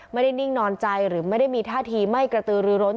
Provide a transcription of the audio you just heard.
นิ่งนอนใจหรือไม่ได้มีท่าทีไม่กระตือรือร้น